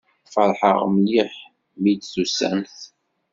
Feṛḥeɣ mliḥ mi d-tusamt.